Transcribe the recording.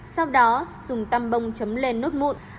sau đó dùng tăm bông chấm lên nốt mụn